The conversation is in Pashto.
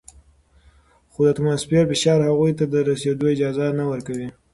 خو د اتموسفیر فشار هغوی ته د رسیدو اجازه نه ورکوي.